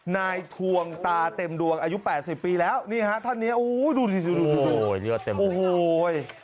นายทวงตาเต็มดวงอายุ๘๐ปีแล้วนี่ฮะท่านเนี้ยโอ้ยดูดูโอ้โห้ย